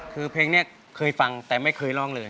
คือเพลงนี้เคยฟังแต่ไม่เคยร้องเลย